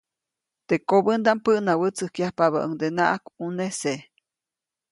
Teʼ kobändaʼm päʼnawätsäjkyajpabäʼuŋdenaʼak ʼunese.